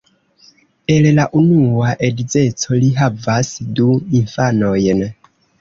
El la unua edzeco li havas du infanojn.